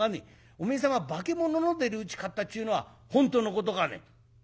おめえ様化物の出るうち買ったっちゅうのは本当のことかね？」。